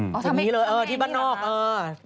ทำแก่นี้ละครับ